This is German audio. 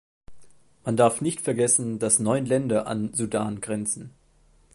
Man darf nicht vergessen, dass neun Länder an Sudan grenzen.